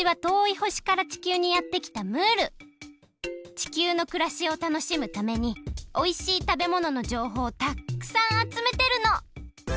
地球のくらしをたのしむためにおいしいたべもののじょうほうをたっくさんあつめてるの！